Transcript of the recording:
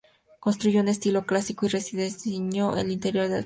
Construyó un estilo clásico y rediseñó el interior del castillo.